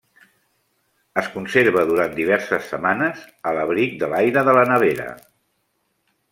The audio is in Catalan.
Es conserva durant diverses setmanes a l'abric de l'aire de la nevera.